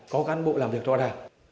có cán bộ làm việc rõ ràng